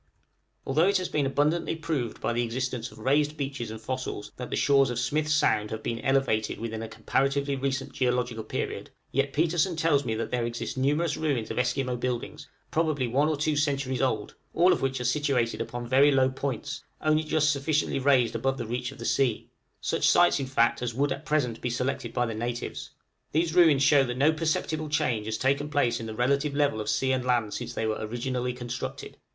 Although it has been abundantly proved by the existence of raised beaches and fossils, that the shores of Smith's Sound have been elevated within a comparatively recent geological period, yet Petersen tells me that there exist numerous ruins of Esquimaux buildings, probably one or two centuries old, all of which are situated upon very low points, only just sufficiently raised above the reach of the sea; such sites, in fact, as would at present be selected by the natives. These ruins show that no perceptible change has taken place in the relative level of sea and land since they were originally constructed.